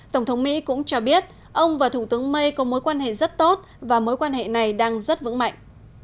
tổng thống mỹ cũng cho biết ông và thủ tướng may có mối quan hệ rất tốt và mối quan hệ này đang rất vững mạnh